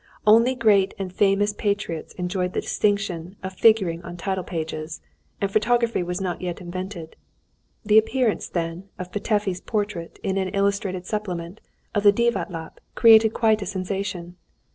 Only great and famous patriots enjoyed the distinction of figuring on title pages, and photography was not yet invented.... The appearance, then, of Petöfi's portrait in an illustrated supplement of the Divatlap created quite a sensation....